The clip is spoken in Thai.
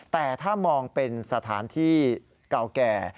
แต่ถ้ามองเป็นสถานที่เก่าแก่